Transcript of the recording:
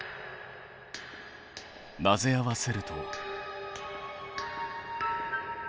混ぜ合わせると。